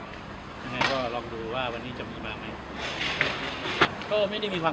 ยังไงก็ลองดูว่าวันนี้จะมีมาไหมก็ไม่ได้มีความ